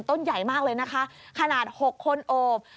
ต้นใหญ่มากเลยนะคะขนาด๖คนโอบ